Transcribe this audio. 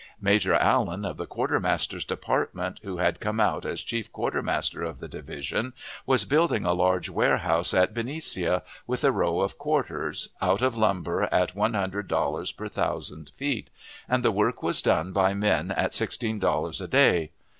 Major Allen, of the Quartermaster's Department, who had come out as chief quartermaster of the division, was building a large warehouse at Benicia, with a row of quarters, out of lumber at one hundred dollars per thousand feet, and the work was done by men at sixteen dollars a day.